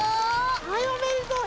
はいおめでとう。